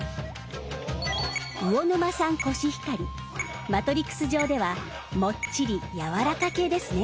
魚沼産コシヒカリマトリクス上ではもっちりやわらか系ですね。